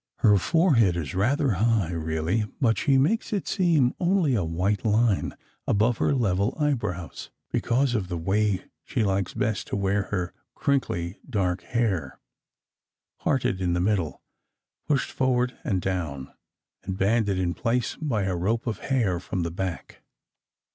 Her forehead is rather high, really, but she makes it seem only a white line above her level eyebrows, because of the way she likes best to wear her crinkly dark hair : parted in the middle, pushed forward and down, and banded in place by a rope of hair from the back.